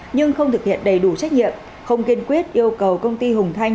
nhưng không thực hiện đầy đủ trách nhiệm không kiên quyết yêu cầu công ty hùng thanh